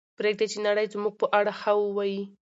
پرېږدئ چې نړۍ زموږ په اړه ښه ووایي.